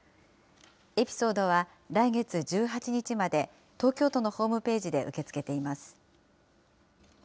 エピソードは来月１８日まで、東京都のホームページで受け付けています。